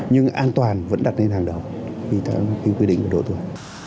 nhưng an toàn vẫn đặt lên hàng đầu vì theo những quy định của đội tuổi